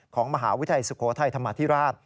ของมหาวิทยาลัยสุโขทัยธรรมาธิราช